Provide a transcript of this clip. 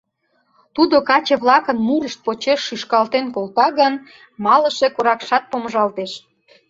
Тудо каче-влакын мурышт почеш шӱшкалтен колта гын, малыше коракшат помыжалтеш.